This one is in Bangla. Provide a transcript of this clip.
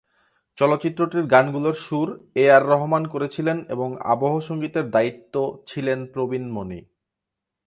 চলচ্চিত্রটির গানগুলোর সুর এ আর রহমান করেছিলেন এবং আবহ সঙ্গীতের দায়িত্ব ছিলেন প্রবীণ মণি।